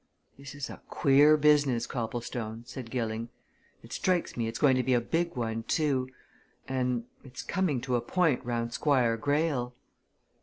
"This is a queer business, Copplestone!" said Gilling. "It strikes me it's going to be a big one, too. And it's coming to a point round Squire Greyle."